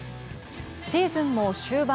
シーズンも終盤。